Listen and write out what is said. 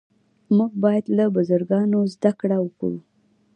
موږ باید له بزرګانو زده کړه وکړو.